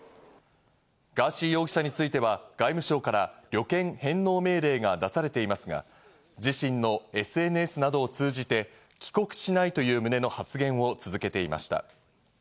ガーシー容疑者については外務省から旅券返納命令が出されていますが、自身のＳＮＳなどを通じて、帰国しないという旨の発言を続けていました。